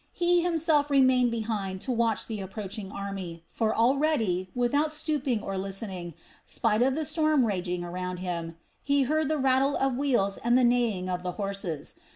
He himself remained behind to watch the approaching army; for already, without stooping or listening, spite of the storm raging around him, he heard the rattle of wheels and the neighing of the horses.